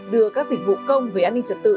đưa các dịch vụ công về an ninh trật tự